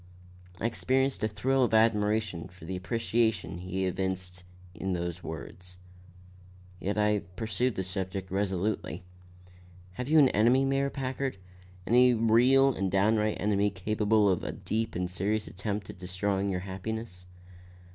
I experienced a thrill of admiration for the appreciation he evinced in those words. Yet I pursued the subject resolutely. "Have you an enemy, Mayor Packard? Any real and downright enemy capable of a deep and serious attempt at destroying your happiness?"